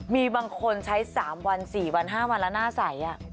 มีบางคนใช้๓วัน๔วัน๕วันแล้วหน้าใส